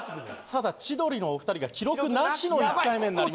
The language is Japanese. ただ千鳥のお二人が記録なしの１回目になりました。